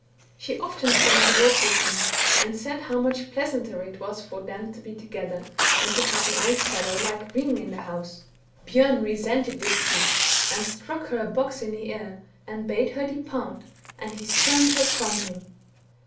She often came to talk with him, and said how much pleasanter it was for them to be together, than to have an old fellow like Hring in the house. 24 THE BOOK OF WERE WOLVES. " Bjcirn resented this speech, and struck her a box in the ear, and bade her depart, and he spumed her from him.